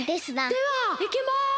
・ではいきます。